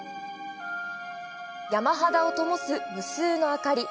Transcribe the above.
山肌をともす無数の明かり。